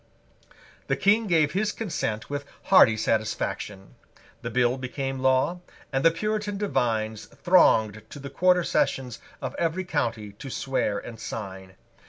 The King gave his consent with hearty satisfaction: the bill became law; and the Puritan divines thronged to the Quarter Sessions of every county to swear and sign.